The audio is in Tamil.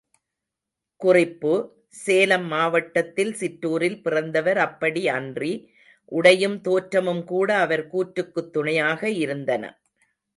குறிப்பு—சேலம் மாவட்டத்தில் சிற்றூரில் பிறந்தவர் அப்படி, அன்றி, உடையும் தோற்றமும் கூட அவர் கூற்றுக்குத் துணையாக இருந்தன.